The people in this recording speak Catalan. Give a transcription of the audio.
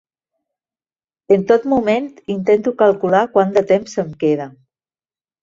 En tot moment intento calcular quant de temps em queda.